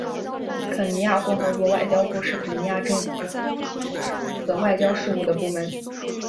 肯尼亚共和国外交部是肯尼亚政府中负责外交事务的部门。